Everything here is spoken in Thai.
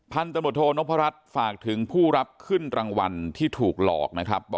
พันธุ์ดรมโทนมพระรัชฐ์ฝากถึงผู้รับขึ้นรางวัลที่ถูกหลอกนะครับ